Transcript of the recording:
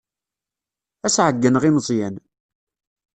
Ad as-ɛeyyneɣ i Meẓyan.